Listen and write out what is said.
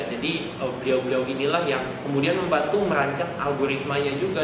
jadi beliau beliau inilah yang kemudian membantu merancang algoritmanya juga